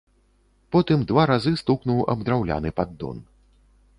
Потым два разы стукнуў аб драўляны паддон.